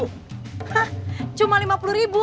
hah cuma lima puluh ribu